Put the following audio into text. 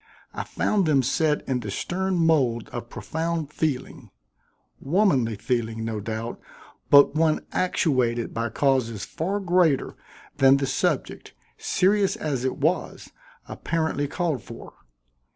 I found them set in the stern mold of profound feeling womanly feeling, no doubt, but one actuated by causes far greater than the subject, serious as it was, apparently called for.